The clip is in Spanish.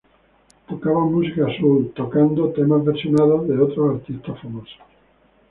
Tocaban música Soul, tocando temas versionados de otros artistas famosos.